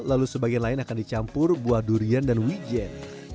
lalu sebagian lain akan dicampur buah durian dan wijen